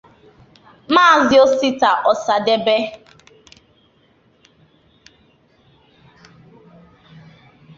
Maazị Osita Ọsadebe